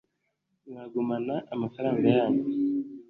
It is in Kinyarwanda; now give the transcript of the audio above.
mwagumana amafaranga yanyu